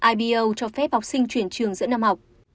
ibo cho phép học sinh chuyển trường giữa năm học